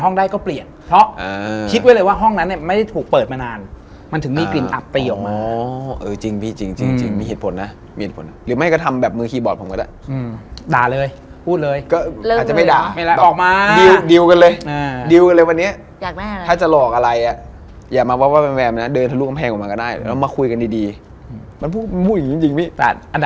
เนี่ยห่างกันประมาณแบบสักไม่ถึง๑๐เมตรอ่ะ